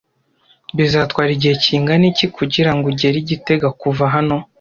Bizatwara igihe kingana iki kugirango ugere i gitega kuva hano?